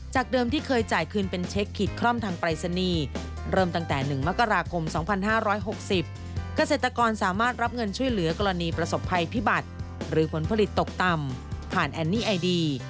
จากเดิมที่เคยจ่ายคืนเป็นเช็คคิดคร่อมทางปรายศนีย์